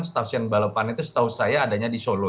stasiun balapan itu setahu saya adanya di solo